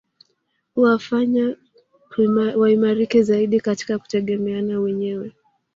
Huwafanya waimarike zaidi katika kutegemeana wenyewe